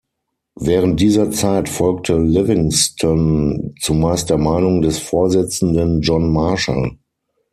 Während dieser Zeit folgte Livingston zumeist der Meinung des Vorsitzenden John Marshall.